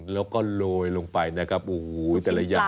แล้วก็โรยลงไปนะครับโอ้โหแต่ละอย่าง